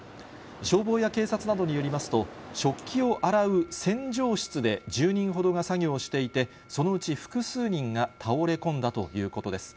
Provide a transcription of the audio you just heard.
消防や警察などによりますと、食器を洗う洗浄室で１０人ほどが作業をしていて、そのうち複数人が倒れ込んだということです。